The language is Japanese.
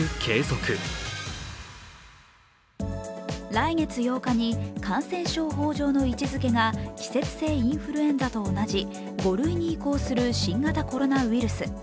来月８日に感染症法上の位置づけが季節性インフルエンザと同じ５類に移行する新型コロナウイルス。